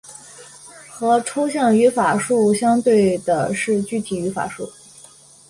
和抽象语法树相对的是具体语法树。